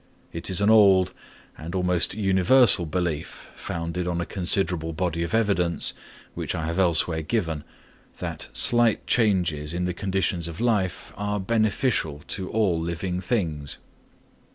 It is an old and almost universal belief, founded on a considerable body of evidence, which I have elsewhere given, that slight changes in the conditions of life are beneficial to all living things.